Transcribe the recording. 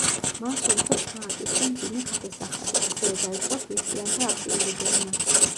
მან სომხებს დააკისრა მძიმე გადასახადი, ასევე დაიწყო ქრისტიანთა აქტიური დევნა.